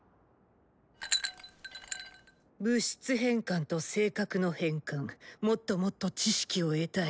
物質変換と性格の変換もっともっと知識を得たい。